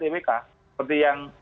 twk seperti yang